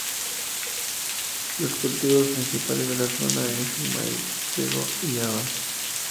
Los cultivos principales de la zona es el maíz, trigo y habas.